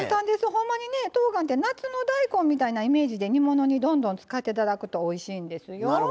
ほんまにねとうがんって夏の大根みたいなイメージで煮物にどんどん使っていただくとおいしいんですよ。